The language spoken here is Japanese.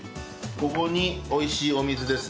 ここに美味しいお水ですね。